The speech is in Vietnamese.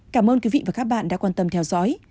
cảm ơn quý vị và các bạn đã quan tâm theo dõi